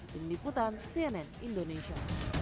dendiputan cnn indonesia